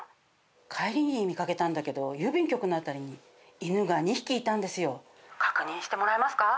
帰りに見掛けたんだけど郵便局の辺りに犬が２匹いたんですよ。確認してもらえますか？